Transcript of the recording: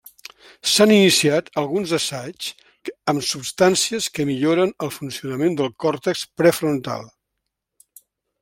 S'han iniciat alguns assaigs amb substàncies que milloren el funcionament del còrtex prefrontal.